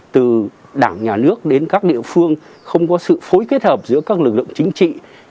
từ đảng nhà nước đến các địa phương không có sự phối kết hợp giữa các lực lượng chính trị